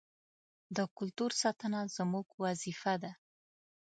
د کلتور ساتنه زموږ وظیفه ده.